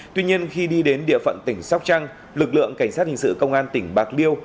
tuy nhiên khi đi đến địa phận tỉnh sóc trăng lực lượng cảnh sát hình sự công an tỉnh bạc liêu